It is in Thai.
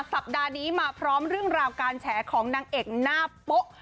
สัปดาห์นี้มาพร้อมเรื่องราวการแฉของนางเอกหน้าโป๊ะ